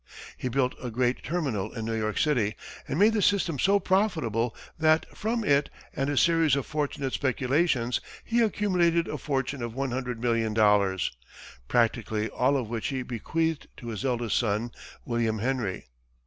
He built a great terminal in New York City, and made the system so profitable that, from it, and a series of fortunate speculations, he accumulated a fortune of $100,000,000, practically all of which he bequeathed to his eldest son, William Henry.